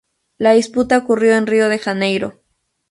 La disputa ocurrió en Río de Janeiro.